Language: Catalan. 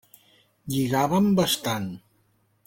Lligàvem bastant.